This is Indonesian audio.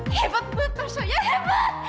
hebat betul soh ya hebat